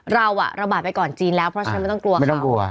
เราระบาดไปก่อนจีนแล้วเพราะฉะนั้นไม่ต้องกลัวเขา